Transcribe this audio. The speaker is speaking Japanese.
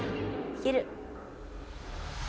いける。